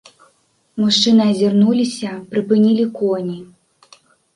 Мужчыны азірнуліся, прыпынілі коні.